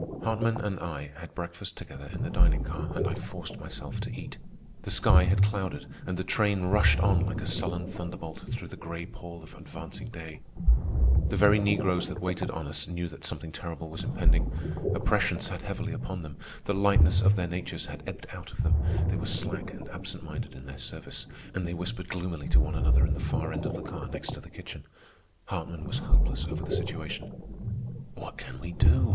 Hartman and I had breakfast together in the dining car, and I forced myself to eat. The sky had clouded, and the train rushed on like a sullen thunderbolt through the gray pall of advancing day. The very negroes that waited on us knew that something terrible was impending. Oppression sat heavily upon them; the lightness of their natures had ebbed out of them; they were slack and absent minded in their service, and they whispered gloomily to one another in the far end of the car next to the kitchen. Hartman was hopeless over the situation. "What can we do?"